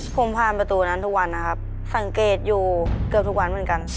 ผมผ่านประตูนั้นทุกวันนะครับสังเกตอยู่เกือบทุกวันเหมือนกัน